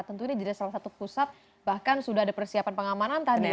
tentu ini jadi salah satu pusat bahkan sudah ada persiapan pengamanan tadi ya